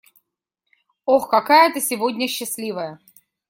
Ох, какая ты сегодня счастливая!